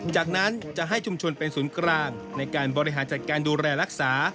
จากนั้นจะให้ชุมชนเป็นศูนย์กลางในการบริหารจัดการดูแลรักษา